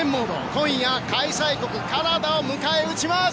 今夜、開催国カナダを迎え撃ちます！